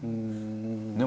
でも。